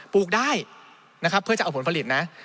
ลูกได้นะครับเพื่อจะเอาผลผลิตนะ